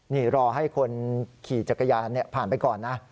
นี่รอให้คนขี่จักรยานผ่านไปก่อนนะ